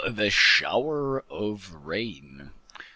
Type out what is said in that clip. The Shower of Rain.